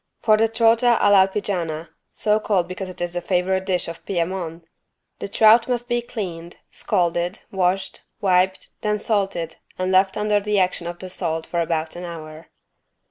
For the =trota all'alpigiana=, so called because it is the favorite dish of Piedmont, the trout must be cleaned, scaled, washed, wiped then salted and left under the action of the salt for about an hour.